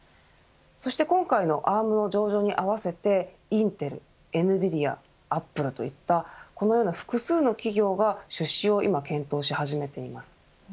そして今回のアームの上場に合わせてインテル、エヌビディアアップルといったこのような複数の企業が出資を今検討し始めています。